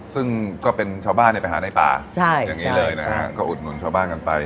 ซึ่งก็เป็นชาวบ้านไปหาในป่าอย่างนี้เลยนะฮะก็อุดหนุนชาวบ้านกันไป